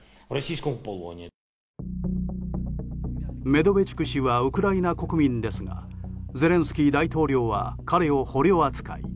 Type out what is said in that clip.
メドベチュク氏はウクライナ国民ですがゼレンスキー大統領は彼を捕虜扱い。